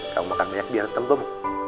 kamu makan banyak biar tempem